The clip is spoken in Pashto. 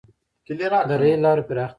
• د رېل لارو پراختیا.